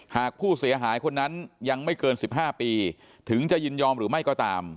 หากผู้เสียหายคนนั้นยังไม่เกิน๑๕ปีถึงจะยินยอมหรือไม่ก็ตาม